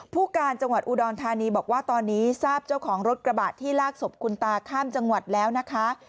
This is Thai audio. ผู้การจังหวัดอุดรธานีบอกว่าตอนนี้ทราบเจ้าของรถกระบะที่ลากศพคุณตาข้ามจังหวัดแล้วนะคะ